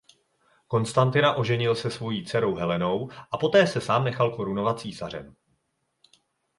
Konstantina oženil se svojí dcerou Helenou a poté se sám nechal korunovat císařem.